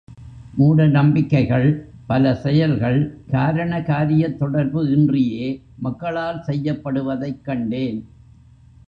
மூட நம்பிக்கைகள் பல செயல்கள் காரண காரியத் தொடர்பு இன்றியே மக்களால் செய்யப்படுவதைக் கண்டேன்.